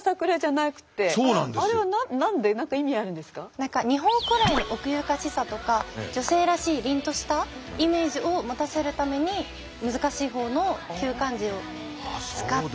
何か日本古来の奥ゆかしさとか女性らしい凛としたイメージを持たせるために難しい方の旧漢字を使っています。